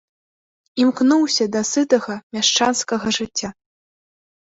Імкнуўся да сытага мяшчанскага жыцця.